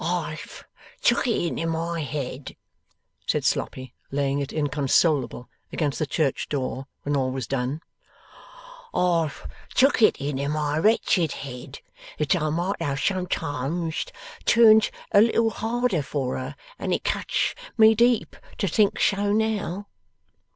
'I've took it in my head,' said Sloppy, laying it, inconsolable, against the church door, when all was done: 'I've took it in my wretched head that I might have sometimes turned a little harder for her, and it cuts me deep to think so now.